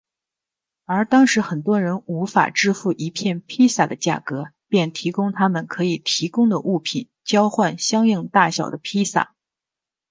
而当时很多人无法支付一片披萨的价格便提供他们可以提供的物品交换相应大小的披萨。